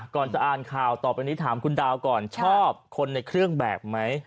ก่อนจะอ่านข่าวต่อไปนี้ถามคุณดาวก่อนชอบคนในเครื่องแบบไหม